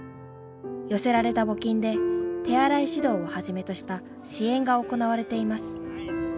寄せられた募金で手洗い指導をはじめとした支援が行われています。